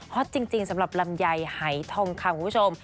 อตจริงสำหรับลำไยหายทองคำคุณผู้ชม